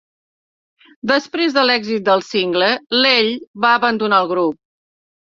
Després de l'èxit del single, l'Elle va abandonar el grup.